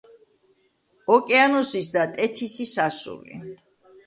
ოკეანოსის და ტეთისის ასული.